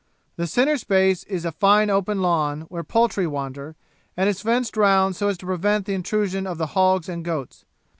The centre space is a fine open lawn, where the poultry wander, and is fenced round so as to prevent the intrusion of the hogs and goats.